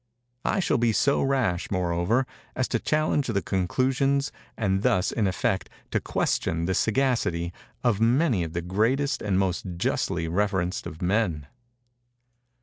I shall be so rash, moreover, as to challenge the conclusions, and thus, in effect, to question the sagacity, of many of the greatest and most justly reverenced of men.